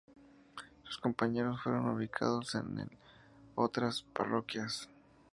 Sus compañeros fueron ubicados en otras parroquias.